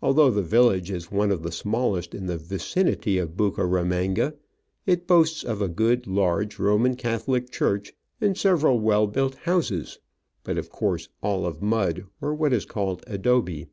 Although the village is one of the smallest in the vicinity of Bucaramanga, it boasts of a good, large Roman Catholic church and several well built houses, but of course all of mud, or what is called adobS.